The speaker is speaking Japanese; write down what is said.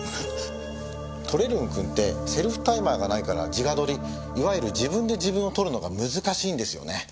撮れルン君ってセルフタイマーがないから自画撮りいわゆる自分で自分を撮るのが難しいんですよね。